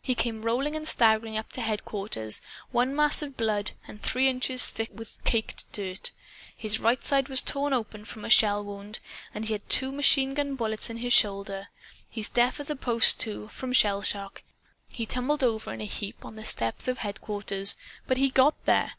He came rolling and staggering up to headquarters one mass of blood, and three inches thick with caked dirt. His right side was torn open from a shell wound, and he had two machine gun bullets in his shoulder. He's deaf as a post, too, from shell shock. He tumbled over in a heap on the steps of headquarters. But he GOT there.